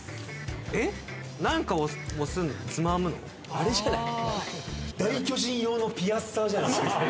あれじゃない？